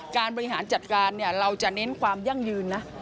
บริหารจัดการเราจะเน้นความยั่งยืนนะ